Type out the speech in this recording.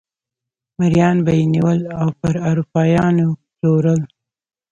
مریان به یې نیول او پر اروپایانو پلورل.